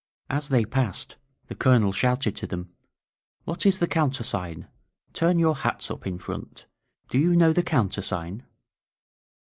As they passed the Colonel shouted to them: "What is the counter sign? Turn your hats up in front! Do you know the countersign?"